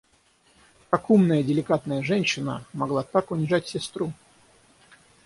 Как умная, деликатная женщина могла так унижать сестру!